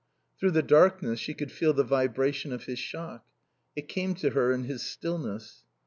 Through the darkness she could feel the vibration of his shock; it came to her in his stillness.